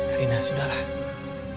alina sudah lah